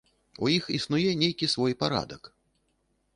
У іх існуе нейкі свой парадак.